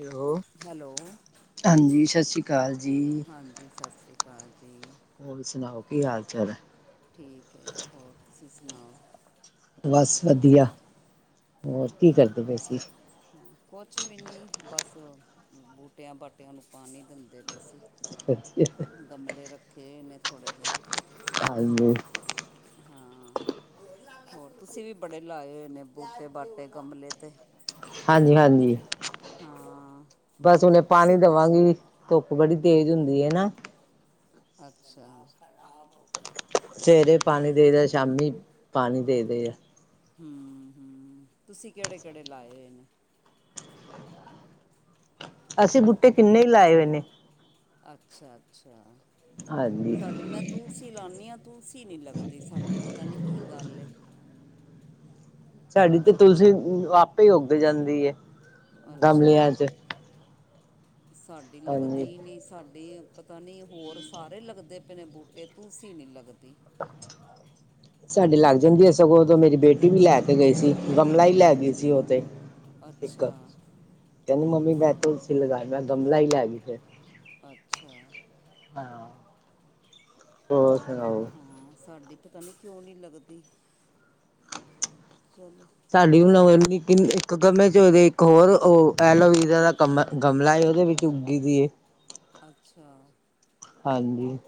ਲੋ hello ਹਾਂਜੀ, ਸਤਿ ਸ੍ਰੀ ਅਕਾਲ ਜੀ, ਹਾਂਜੀ ਸਤਿ ਸ਼੍ਰੀ ਅਕਾਲ ਜੀ ਹੋਰ ਸੁਣਾਓ। ਕੀ ਹਾਲ ਚਾਲ ਹੈ? ਠੀਕ ਏ ਹੋਰ ਤੁਸੀਂ ਸੁਣਾਓ ਬਸ ਵਧੀਆ। ਹੋਰ ਕੀ ਕਰਦੇ ਪਏਸੀ? ਹਾਂ ਕੁਛ ਵੀ ਨਹੀਂ ਬਸ ਬੂਟਿਆਂ-ਬਾਟਿਆਂ ਨੂੰ ਪਾਣੀ ਦਿੰਦੇ ਪਏ ਸੀ। ਗਮਲੇ ਰੱਖੇ ਨੇੇ ਥੋੜੇ ਜੇ ਹਾਂਜੀ। ਹਾਂ, ਹੋਰ ਤੁਸੀਂ ਵੀ ਬੜੇ ਲਾਏ ਹੋਏ ਨੇ ਬੂਟੇ-ਬਾਟੇ ਗਮਲੇ ਤੇ। ਹਾਂਜੀ-ਹਾਂਜੀ। ਹਾਂ ਬਸ ਉਹੁਨੇ ਪਾਣੀ ਤੁਸੀਂ ਦੇਵਾਂਗੀ। ਧੁੱਪ ਬੜੀ ਤੇਜ਼ ਹੁੰਦੀ ਹੈ ਨਾ। ਅੱਛਾ। ਸਵੇਰੇ ਪਾਣੀ ਦੇਇਦਾ ਸ਼ਾਮੀ ਪਾਣੀ ਦੇਇਦਾ। ਹੂੰ-ਹੂੰ, ਤੁਸੀਂ ਕਿਹੜੇ-ਕਿਹੜੇ ਲਾਏ ਹੋਏ ਨੇ? ਅਸੀਂ ਬੂਟੇ ਕਿੰਨੇ ਹੀ ਲਾਏ ਹੋਏ ਨੇ। ਅੱਛਾ- ਅੱਛਾ। ਹਾਂਜੀ ਸਾਡੀ ਮੈਂ ਤੁਲਸੀ ਲਾਉਦੀ ਹਾਂ ਤ ਤੁਲਸੀ ਨੀ ਲੱਗਦੀ ਸਾਡੀ ਪਤਾ ਨੀ ਕੀ ਗੱਲ ਹੈ? ਸਾਡੀ ਤੇ ਤੁਲਸੀ ਆਪੇ ਉੱਗ ਜਾਂਦੀੲਏ। ਅੱਛਾ ਗਮਲੀਆਂ ਚ। ਸਾਡੀ ਹਾਂਜੀ ਲੱਗਦੀ ਨੀ ਸਾਡੀ ਪਤਾ ਨੀ ਹੋਰ ਸਾਰੇ ਲੱਗਦੇ ਆਪਣੇ ਬੂਟੇ ਤੁਲਸੀ ਨੀ ਲੱਗਦੀ। ਤੇ ਸਾਡੇ ਲੱਗ ਜਾਂਦੀ ਹੈ ਸਗੋਂ ਉਦੋਂ ਮੇਰੀ ਬੇਟੀ ਵੀ ਲੈ ਕੇ ਗਈ ਸੀ ਗਮਲਾ ਹੀ ਲੈ ਗਈ ਸੀ ਉਹਤੇ, ਇਕ ਅੱਛਾ ਕਹਿੰਦੀ ਮੰਮੀ ਮੈਂ ਤੁਲਸੀ ਲਗਾ ਲਈ। ਮੈ ਗਮਲਾ ਹੀ ਲੈ ਗਈ ਫੇਰ। ਅੱਛਾ। ਹਾਂ। ਹੋਰ ਸੁਣਾਓ। ਹਾਂ ਸਾਡੀ ਪਤਾ ਨਹੀਂ, ਕਿਉਂ ਨਹੀਂ ਲੱਗਦੀ? ਚਲੋ ਸਾਡੀ ਵੀ ਨਵੇਂ, ਇੱਕ ਗਮਲੇ ਉਹਦੇ ਇੱਕ ਹੋਰ ਉਹ ਐਲੋਵਰਾ ਦਾ ਕਮ ਗਮਲਾ ਉਹਦੇ ਵਿੱਚ ਉਗੀ ਗਈ ਐ। ਅੱਛਾ, ਹਾਂਜੀ,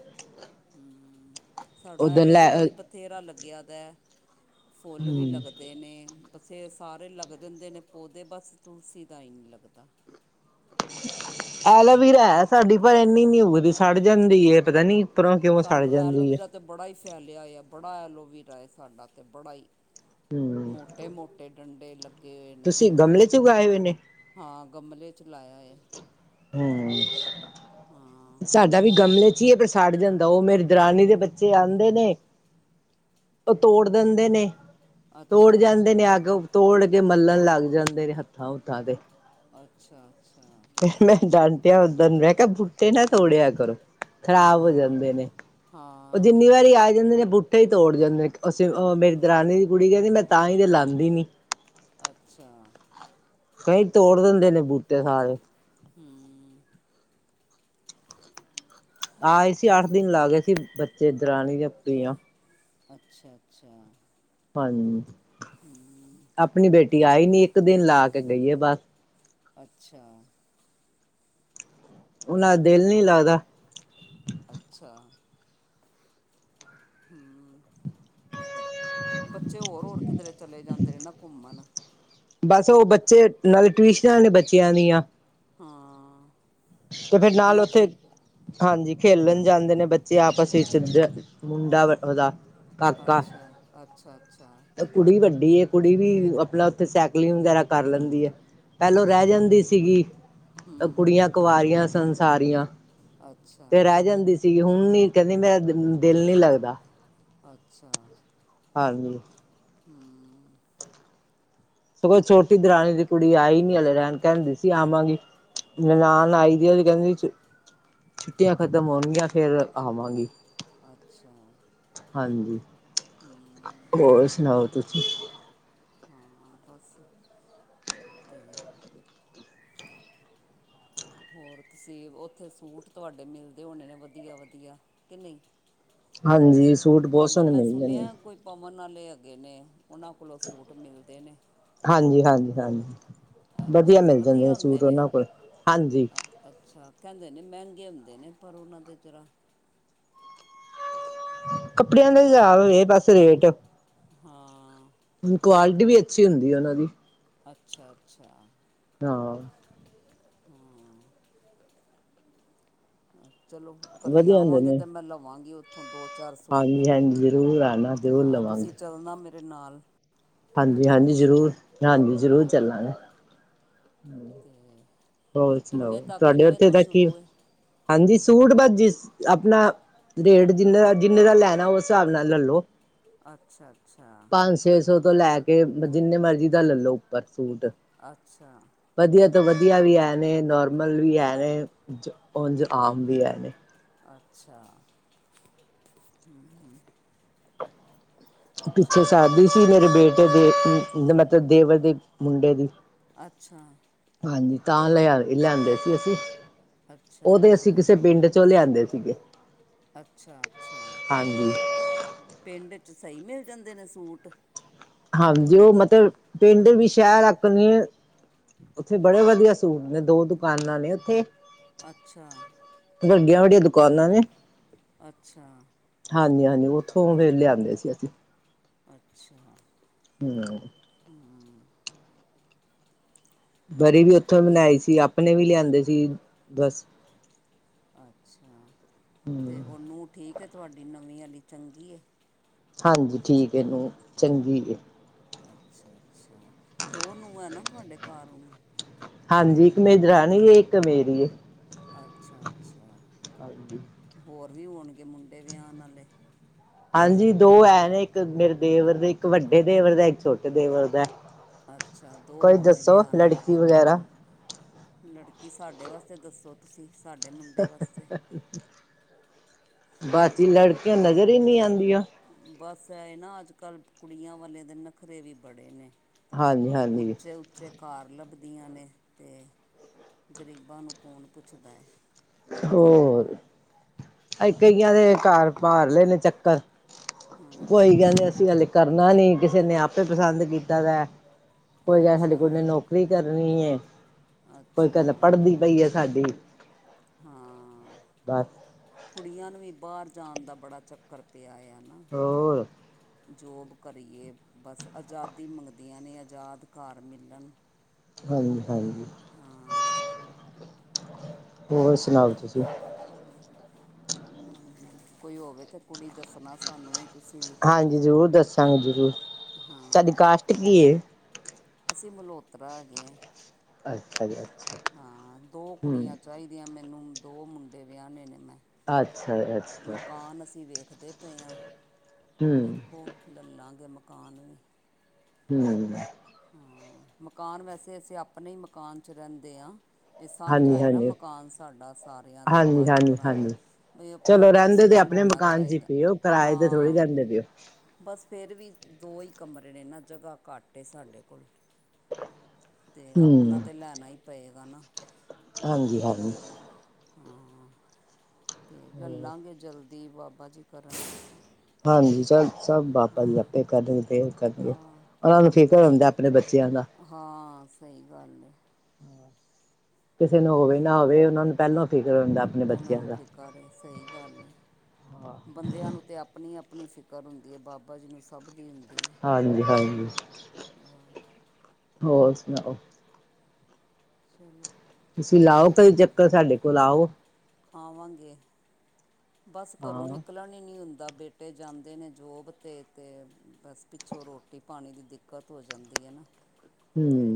ਹੂੰ, ਸਾਡਾ ਉਧਰ ਲੈ ਐਲੋਵਰਾ ਵੀ ਬਥੇਰਾ ਲੱਗਾ। ਜ਼ਿਆਦਾ, ਫੁੱਲ ਵੀ ਹਮ ਲੱਗਦੇ ਨੇ, ਪਸੇ ਸਾਰੇ ਲੱਗਦੇ ਹੁੰਦੇ ਨੇ ਪੌਦੇ ਬਸ ਤੁਲਸੀ ਦਾ ਹੀ ਨਹੀਂ ਲੱਗਦਾ। ਐਲੋਵੀਰਾ ਹੈ ਸਾਡੀ ਪਰ ਇੰਨੀ ਨੀ ਉਗਦੀ ਸੜ ਜਾਂਦੀ ਹੈ ਪਤਾ ਨੀ ਉੱਪਰੋਂ ਕਿਉਂ ਸੜ ਸਾਡਾ ਜਾਂਦੀ ਏ ਐਲੋਵਰਾ ਤੇ ਬੜਾ ਹੀ ਫੈਲਿਆ ਆ ਬੜਾ, ਬਣਾ ਐਲੋਵੀਰਾ ਏ ਸਾਡਾ ਅਤੇ ਬੜਾ ਹੀ, ਹਮ ਮੋਟੇ ਮੋਟੇ, ਡੰਡੇ ਲੱ ਗੇ ਹੋਏ ਨੇ ਤੁਸੀਂ ਗਮਲੇ ਚ ਉਗਾਏ ਹੋਏ ਨੇ ਹਾਂ ਗਮਲੇ ਚ ਲਾਇਆ ਹ ਹੂੰ, ਸਾਡਾ ਵੀ ਗਮਲੇ ਚ ਹੀ ਹੈ, ਪਰ ਸੜ ਜਾਂਦਾ ਉਹ ਮੇਰੇ ਦਰਾਨੀ ਦੇ ਬੱਚੇ ਆਦੇ ਨੇ ਉਹ ਤੋੜ ਦਿੰਦੇ ਨੇ, ਅੱਛਾ ਤੋੜ ਜਾਂਦੇ ਨੇ ਅੱਗ ਤੋੜ ਕੇ ਮੱਲਣ ਲੱਗ ਜਾਂਦੇ ਨੇ ਹੱਥਾਂ ਹੁਥਾਂ ਤੇ, ਅੱਛਾ ਅੱਛਾ, ਕਿਹਾ ਔਦਨ ਮੇ ਕਿਹਾ, ਪੱਤੇ ਨਾ ਤੋੜਿਆ ਕਰੋ। ਖ਼ਰਾਬ ਹੋ ਹਾਂ ਜਾਂਦੇ ਨੇ ਉਹ ਹਾਂ ਜਿੰਨੀ ਵਾਰੀ ਆ ਜਾਂਦੇ ਨੇ ਬੂਟੇ, ਉੱਥੇ ਹੀ ਤੋੜ ਜਾਂਦੇ ਅਸੀਂ ਮੇਰੀ ਦਰਾਨੀ ਦੀ ਕੁੜੀ ਕਹਿੰਦੀ ਮੈਂ ਤਾਂ ਹੀ ਤੇ ਲਾਦੀ ਨੀ, ਅੱਛਾ, ਕਈ ਤੋੜ ਦਿੰਦੇ ਨੇ ਬੂਟੇ ਸਾਰੇ, ਹੂੰ, ਆਏ ਸੀ ਅੱਠ ਦਿਨ ਲਾ ਗਏ ਸੀ ਬੱਚੇ ਇਧਰਣੀ ਜਾਂ ਪੀਆਂ। ਅੱਛਾ ਅੱਛਾ, ਹਾਂਜੀ, ਹੂੰ ਆਪਣੀ ਬੇਟੀ, ਆਈ ਨੀ ਇੱਕ ਦਿਨ ਲਾ ਕੇ ਗਈ ਏ ਬਸ, ਅੱਛਾ, ਉਹਨਾ ਦਾ ਦਿਲ ਹਾਂ ਨੀ ਲੱਗਦਾ। ਅੱਛਾ ਹੂੰ, ਬੱਚੇ ਹੋਰ-ਹੋਰ ਕਿਧਰੇ ਚਲੇ ਜਾਂਦੇ ਨਾ ਘੁੰਮਣ, ਬਸ ਉਹ ਬੱਚੇ ਨਾਲੇ ਟਿਊਸ਼ਨਾਂ ਨੇ ਬੱਚਿਆਂ ਦੀਆਂ। ਹਾਂ ਫਿਰ ਨਾਲ ਛੁੱਟੀਆਂ 'ਚ ਉੱਥੇ ਵੀ ਹਾਂਜੀ ਖੇਲਣ ਜਾਂਦੇ ਨੇ ਬੱਚੇ ਆਪਸ ਵਿੱਚ ਮੁੰਡਾ ਉਹਦਾ ਕਾਕਾ ਅੱਛਾ ਅੱਛਾ ਅੱਛਾ ਅੱਛਾ ਕੁੜੀ ਵੱਡੀ ਏ ਕੁੜੀ ਵੀ ਆਪਣਾ ਉੱਥੇ ਸਾਈਕਲਿੰਗ ਵਗੈਰਾ ਕਰ ਲੈਂਦੀ ਹੈ ਪਹਿਲੋਂ ਰਹਿ ਅੱਛਾ ਜਾਂਦੀ ਸੀਗੀ ਤੇ ਹੂੰ ਕੁੜੀਆਂ ਕੁਆਰੀਆਂ ਸਨ ਸਾਰੀਆਂ ਅੱਛਾ ਤੇ ਰਹਿ ਜਾਂਦੀ ਸੀਗੀ ਓ ਹੁਣ ਨਹੀਂ ਕਹਿੰਦੀ ਮੈਂ ਦਿਲ ਨੀ ਲੱਗਦਾ ਅੱਛਾ ਹਾਂਜੀ ਹੂੰ ਸਗੋਂ ਛੋਟੀ ਦਰਾਣੀ ਦੀ ਕੁੜੀ ਆਈ ਨੀ ਹਲੇ ਰਹਿਣ ਕਹਿੰਦੀ ਸੀ ਆਵਾਂਗੀ ਨਨਾਣ ਅੱਛਾ ਆਏਗੀ ਉਹ ਤੇ ਕਹਿੰਦੀ ਸੀ ਛੁੱਟੀ ਛੁੱਟੀਆਂ ਖਤਮ ਹੋਣਗੀਆਂ ਫੇਰ ਆਵਾਂਗੀ ਅੱਛਾ ਹਾਂਜੀ। ਹੂੰ ਤੁਸੀ ਹਾਂ ਬਸ ਤੇ ਹੋਰਸੀ ਉੱਥੇ ਸੂਟ ਤੁਹਾਡੇ ਮਿਲਦੇ ਹੋਣੇ ਨੇ ਵਧੀਆ ਵਧੀਆ ਕੇ ਨਈ ਹਾਂਜੀ ਸੂਟ ਬਹੁਤ ਸੋਹਣੇ ਮਿਲ ਦੇ ਨੇ ਕਿੰਨੇ ਆ ਉਹਨਾਂ ਕੋਲੋਂ ਸੂਟ ਮਿਲਦੇ ਨੇ ਹਾਂਜੀ ਹਾਂਜੀ ਹਾਂਜੀ ਵਧੀਆ ਅੱਛਾ ਮਿਲ ਜਾਂਦੇ ਨੇ ਵਧੀਆ ਹੁੰਦੇ ਸੂਟ ਉਹਨਾਂ ਕੋਲ ਹਾਂਜੀ ਅ- ਅੱਛਾ ਕਹਿੰਦੇ ਨੇ ਮਹਿੰਗੇ ਹੁੰਦੇ ਨੇ ਪਰੋਨਾ ਦੇ ਜਰਾ ਕੱਪੜਿਆ ਹਾਜ਼ਰ ਹੋਏ ਬਸ ਰੇਟ ਹਾਂ ਕੁਆਲਿਟੀ ਵੀ ਅੱਛੀ ਹੁੰਦੀ ਆ ਉਹਨਾਂ ਦੀ ਅੱਛਾ ਅੱਛਾ ਹਾਂ ਚਲੋ ਕਦੀ ਵਧੀਆ ਹੁੰਦੇ ਆਵਾਂਗੇ ਨੇ ਤੇ ਮੈਂ ਲਵਾਂਗੀ ਉੱਥੋਂ ਦੋ ਚਾਰ ਸੂਟ ਹਾਂਜੀ ਹਾਂਜੀ ਜ਼ਰੂਰ ਆਣਾ ਜ਼ਰੂਰ ਹਾਂ ਤੁਸੀਂ ਲਵਾਂਗੇ ਚੱਲਣਾ ਮੇਰੇ ਤੇ ਨਾਲ ਹਾਂਜੀ ਹਨਾ ਹਾਂਜੀ ਜ਼ਰੂਰ ਹਾਂਜੀ ਜ਼ਰੂਰ ਹਾਂ ਚੱਲਾਂਗੇ ਤੇ ਹੋਰ ਸੁਣਾਓ ਕਿੰਨੇ ਤੱਕ ਤੁਹਾਡੇ ਕਿੰਨੇ ਉੱਥੇ ਤੋਂ ਤਾਂ ਕੀ ਸ਼ੁਰੂ ਹੈ ਹਾਂਜੀ ਸੂਟ ਬਸ ਜਿਸ ਆਪਣਾ ਰੇਟ ਜਿੰਨੇ ਦਾ ਜਿੰਨੇ ਦਾ ਲੈਣਾ ਉਸ ਹਿਸਾਬ ਨਾਲ ਲੈਲੋ ਅੱਛਾ ਅੱਛਾ ਸੋ ਤੋਂ ਲੈ ਕੇ ਜਿੰਨੇ ਮਰਜ਼ੀ ਦਾ ਲੈਲੋ ਉੱਪਰ ਸੂਟ ਅੱਛਾ ਵਧੀਆ। [inaudible] ਵਧੀਆ ਵੀ ਹੈ ਨੇ ਨੋਰਮਲ ਵੀ ਹੈ ਨੇ ਉਂਝ ਆਮ ਵੀ ਹੈ ਨੇ। ਅੱਛਾ [unintelligible] ਹਮ। ਪਿੱਛੇ ਸ਼ਾਦੀ ਸੀ ਮੇਰੇ ਬੇਟੇ ਦੀ ਮਤਲਬ ਦੇਵਰ ਦੇ। ਮੁੰਡੇ ਦੀ। ਅੱਛਾ ਹਾਂਜੀ ਤਾਂ ਲਿਆ ਲਿਆਂਦੇ ਸੀ ਅਸੀਂ ਅੱਛਾ ਉਹਦੇ ਅਸੀਂ ਅੱਛਾ ਕਿਸੇ ਪਿੰਡ ਚੋਂ ਲਿਆਂਦੇ ਸੀ। [unintelligible] ਅੱਛਾ-ਅੱਛਾ ਪਿੰਡ ਚ। ਸਹੀ ਮਿਲ ਜਾਂਦੇ ਨੇ ਸੂਟ। ਹਾਂਜੀ ਉਹ ਮਤਲਬ ਪਿੰਡ ਵੀ ਸ਼ਹਿਰ ਵਾਕਣ ਏ ਉੱਥੇ ਬੜੇ ਵਧੀਆ ਸੂਟ ਨੇ ਦੋ ਦੁਕਾਨਾਂ ਨੇ ਉੱਥੇ। ਅੱਛਾ। ਵੱਡੀਆਂ-ਵੱਡੀਆਂ ਦੁਕਾਨਾਂ ਨੇ। ਅੱਛਾ। ਹਾਂਜੀ-ਹਾਂਜੀ ਉੱਥੋਂ ਫੇਰ ਲਿਆਉਂਦੇ ਸੀ ਅਸੀ। ਅੱਛਾ। ਹਮ। ਵਰੀ ਵੀ। ਉੱਥੋਂ ਬਨਾਈ ਸੀ ਆਪਣੇ ਵੀ ਲਿਆਂਦੇ ਸੀ। ਬਸ। ਅੱਛਾ ਤੇ ਉਹ ਨੂੰ ਠੀਕ ਹੈ। ਤੁਹਾਡੀ ਨਵੀਂ ਵਾਲੀ ਚੰਗੀ ਹੈ। ਹਾਂਜੀ ਠੀਕ ਹੈ ਨੂੰਹ ਚੰਗੀ ਹੈ। ਅੱਛਾ। [unintelligible] ਅੱਛਾ ਦੋ ਨੂਹਾਂ ਹੈ ਨਾ। ਤੁਹਾਡੇ ਘਰ ਆਉਂ। [unintelligible] ਹਾਂਜੀ ਇੱਕ ਮੇਰੀ ਦਰਾਣੀ ਹੈ ਇੱਕ ਮੇਰੀ ਹੈ। ਅੱਛਾ-ਅੱਛਾ ਹੋਰ। ਹੋਰ ਵੀ ਹੋਣਗੇ ਮੁੰਡੇ ਵੀ ਵਿਹਾਉਣ ਵਾਲੇ। ਹਾਂਜੀ ਦੋ ਐ ਨੇ ਇੱਕ ਮੇਰੇ ਦੇਵਰ ਦੇ ਇੱਕ ਵੱਡੇ ਦੇਵਰ ਦਾ ਇੱਕ ਛੋਟੇ ਦੇਵਰ ਦਾ। ਅੱਛਾ ਦੋ ਕੋਈ ਹੋਰ ਨੇ ਦੱਸੋ ਵਿਆਹਣ ਵਾਲੇ ਲੜਕੀ ਵਗੈਰਾ। ਲੜਕੀ ਸਾਡੇ ਵਾਸਤੇ ਦੱਸੋ ਤੁਸੀਂ। ਸਾਡੇ ਮੁੰਡੇ ਵਾਸਤੇ। ਬਾਕੀ ਲੜਕੀਆਂ ਨਜ਼ਰ ਹੀ ਨੀ ਆਉਂਦੀਆਂ। ਬਸ ਇਹ ਨਾ ਅੱਜ ਕੱਲ੍ਹ ਕੁੜੀਆਂ ਵਾਲੇ ਦੇ ਨਖਰੇ ਵੀ ਬੜੇ ਨੇ। ਹਾਂਜੀ ਹਾਂਜੀ ਉੱਚੇ-ਉੱਚੇ ਘਰ ਲੱਭਦੇ। ਛੁੱਟੀਆਂ ਨੇ ਤੇ ਗਰੀਬਾਂ ਨੂੰ ਕੌਣ ਪੁੱਛਦਾ ਹੈ [unintelligible] ਹੋਰ ਕਈਆਂ ਦੇ ਘਰ ਮਾਰ ਲਏ ਨੇ ਚੱਕਰ ਹਾਂ ਕੋਈ ਗੱਲ ਨੀ ਅਸੀਂ ਹਲੇ ਕਰਨਾ ਨੀ ਕਿਸੇ ਨੇ ਆਪੇ ਪਸੰਦ ਕੀਤਾ ਦਾ। ਕੋਈ ਕਹ ਸਾਡੀ ਕੁਈ ਅੱਛਾ ਨੇ ਨੌਕਰੀ ਕਰ ਨੀ ਏ। ਕੋਈ ਅੱਛਾ ਕਿੰਦਾ ਪੜ੍ਹਦੀ ਪਈ ਹੈ ਸਾਡੀ। ਹਾਂ ਬਸ ਕੁੜੀਆਂ ਨੂੰ ਵੀ ਬਾਹਰ ਜਾਣ ਦਾ ਬੜਾ ਚੱਕਰ ਪਆ ਹੋਇਆ। ਹੋਰ। ਜੋਬ ਕਰੀਏ ਬਸ ਆਜ਼ਾਦੀ ਮੰਗਦੀਆਂ ਨੇ ਆਜ਼ਾਦ ਘਰ ਮਿਲਨ। ਹਾਂਜੀ-ਹਾਂਜੀ ਹਾਂ। ਹੋਰ ਸੁਣਾਓ ਤੁਸੀਂ ਚਲੋ ਹਾਂਜੀ ਕੋਈ ਹੋਵੇ ਤੇ ਕੁੜੀ ਦੱਸਣਾ ਸਾਨੂੰ ਵੀ ਤੁਸੀਂ ਵੀ ਹਾਂਜੀ ਜ਼ਰੂਰ ਦੱਸਾਂਗੇ। [inaudible] ਸਾਡੀ ਹਾਂ ਕਾਸ਼ਟ ਕੀ ਐ। ਅਸੀਂ ਮਲੋਤਰਾ ਹੈਗੇ ਹਾਂ। ਅੱਛਾ ਜੀ। ਅੱਛਾ। ਹਾਂ ਦੋ ਹੂੰ। ਕੁੜੀਆਂ ਚਾਹੀਦੀਆਂ ਮੈਨੂੰ ਦੋ ਮੁੰਡੇ ਵਿਆਹਣੇੇ ਨੇ ਮੈਂ। ਅੱਛਾ-ਅੱਛਾ ਦੇ ਪਏ ਆ। ਵੇਖੋ ਲ ਲਾਂਗੇ ਮ ਕਾਨ ਵੀ। ਹਮ ਹਾਂ ਮਕਾਨ ਵੈਸੇ ਅਸੀਂ ਆਪਣੇ ਹੀ ਮਕਾਨ ਚ ਰਹਿੰਦੇ ਹਾਂ। ਇਹ ਸਾਂਝਾ ਹੈ ਨਾ ਹਾਂਜੀ। ਮਕਾਨ ਸਾਡਾ ਸਾਰਿਆਂ ਦਾ ਹਾਂਜੀ ਪੰਜ ਹਾਂਜੀ ਭਰਾਵਾਂ ਹਾਂਜੀ ਬਈ ਆਪਣਾ ਚਲੋ ਰਹਿੰਦੇ ਤੇ ਪਰਸਨਲ ਆਪਣੇ ਹੋਣਾ ਮਕਾਨ ਚ ਹੀ ਚਾਹੀਦਾ, ਪਏ ਓ ਕਿਰਾਏ ਤੇ ਥੋੜ੍ਹੀ ਹਾਂ ਰਹਿੰਦੇ ਪਏ ਓ। ਬਸ ਫੇਰ ਵੀ ਦੋ ਹੀ ਕਮਰੇ ਨੇ ਨਾ ਜਗ੍ਹਾ ਘੱਟ ਏ ਸਾਡੇ ਕੋਲ। ਤੇ ਆਪਣਾ ਤੇ ਲੈਣਾ ਹੀ ਪਏ ਗਾ ਨਾ। ਹਾਂਜੀ-ਹਾਂਜੀ ਹਾਂ ਤੇ ਲਲਾਂਗੇ ਜਲ [unintelligible] ਬਾਬਾ ਜੀ ਕਰਨ ਹਾਂਜੀ ਚ ਸਭ ਬਾਬਾ ਜੀ ਆਪੇ ਕਰਨਗੇ। ਕਰ ਹਾਂ ਉਹਨਾਂ ਨੂੰ ਫੇਰ ਘਰਉਂਦੇ ਆਪਣੇ ਬੱਚੇ ਹਾਂ। ਸਹੀ ਗੱਲ ਹੈ। ਕਿਸੇ ਨੂੰ ਹੋਵੇ ਨਾ ਹੋਵੇ ਉਹਨਾਂ ਨੂੰ ਪਹਿਲਾਂ ਫਿਕਰ ਹੁੰਦਾ ਆਪਣੇ ਉਹਨਾਂ ਬੱਚਿਆਂ ਨੂੰ ਦਾ। ਫਿਕਰ ਸਹੀ ਗੱਲ ਹੈ ਬੰਦਿਆਂ ਨੂੰ ਤੇ ਆਪਣੀ ਆਪਣੀ ਫ਼ਿਕਰ ਹੁੰਦੀ ਹੈ ਬਾਬਾ ਜੀ ਨੂੰ ਸਭ ਦੀ ਹੈ ਹਾਂਜੀ ਹਾਂਜੀ ਹੋਰ ਸੁਣਾਓ ਚਲੋ। ਤੁਸੀਂ ਲਾਓ ਕਦੇ ਚੱਕਰ ਸਾਡੇ ਕੋਲ ਆਓ। ਪਾਵਾਂਗੇ। ਬਸ ਹਾਂ ਘਰੋਂ ਨਿਕਲਣ ਨੀ ਹੁੰਦਾ। ਦਾਂ ਬੇਟੇ ਜਾਂਦੇ ਨੇ ਜੋਬ 'ਤੇ ਅਤੇ ਬਸ ਪਿੱਛੋਂ ਰੋਟੀ ਪਾਣੀ ਦੀ ਦਿੱਕਤ ਹੋ ਜਾਂਦੀ ਹੈ ਨਾ। ਹਮ।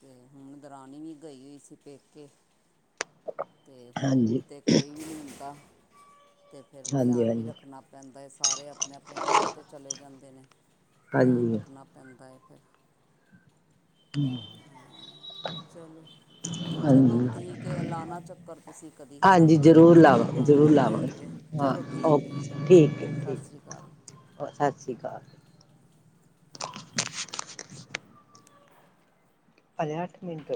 ਤੇ ਹੁਣ ਦਰਣੀ ਵੀ ਗਈ ਹੋਈ ਸੀ ਪੇਕੇ ਤੇ ਹੁਣ ਹਾਂਜੀ ਉੱਤੇ ਕੋਈ ਵੀ ਨਹੀਂ ਹੁੰਦਾ। ਤੇ ਫੇਰ ਹਾਂਜੀ ਧਿਆਨ ਵੀ ਹਾਂਜੀ ਰੱਖਣਾ ਪੈਂਦਾ ਹੈ। ਸਾਰੇ ਆਪਣੇ ਆਪਣੇ ਕੰਮ 'ਤੇ ਚਲੇ ਜਾਂਦੇ ਨੇ। ਧਿਆਨ ਹਾਂਜੀ ਰੱਖਣਾ ਪੈਂਦਾ ਹੈ। [unintelligible] ਹਾਂ ਚਲੋ ਚਲੋ ਹਾਂਜੀ ਠੀਕ ਹੈ ਐਲਾਨਾ ਚੱਕਰ ਤੁਸੀਂ ਕਦੀ ਹੈ ਨਾ ਹਾਂਜੀ ਜ਼ਰੂਰ ਲਾਵਾਂਗੇ ਜ਼ਰੂਰ ਹਾਂ ਲਾਵਾਂਗੇ ਠੀਕ ਹੈ ਹਾਂ ਚਲੋ ਠੀਕ ਹੈ ਓਕੇ ਠੀਕ ਹੈ ਠੀਕ ਸਤਿ ਸ਼੍ਰੀ ਅਕਾਲ। ਸਤਿ ਸ਼੍ਰੀ ਅਕਾਲ ਅਜ ਅਠ ਮਿੰਟ।